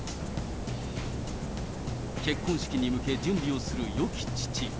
結婚式に向け、準備をするよき父。